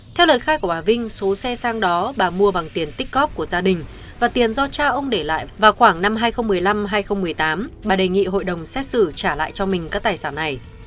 theo lời khai của bà vinh số xe sang đó bà mua bằng tiền tích cóp của gia đình và tiền do cha ông để lại vào khoảng năm hai nghìn một mươi năm hai nghìn một mươi tám bà đề nghị hội đồng xét xử trả lại cho mình các tài sản này